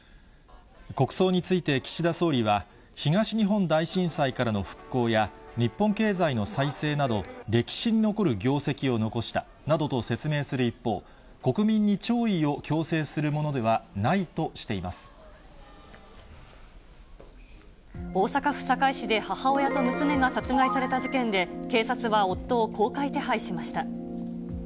国葬について岸田総理は、東日本大震災からの復興や日本経済の再生など、歴史に残る業績を残したなどと説明する一方、国民に弔意を強制す大阪府堺市で母親と娘が殺害された事件で、警察は夫を公開手配しました。